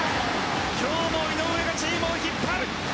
今日も井上がチームを引っ張る！